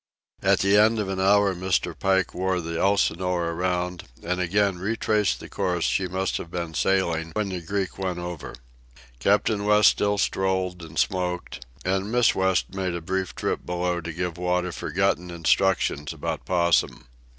At the end of an hour Mr. Pike wore the Elsinore around, and again retraced the course she must have been sailing when the Greek went over. Captain West still strolled and smoked, and Miss West made a brief trip below to give Wada forgotten instructions about Possum.